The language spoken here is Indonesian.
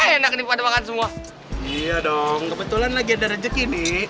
enak nih pada makan semua iya dong kebetulan lagi ada rezeki nih